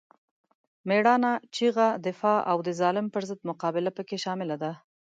مېړانه، چیغه، دفاع او د ظالم پر ضد مقابله پکې شامله ده.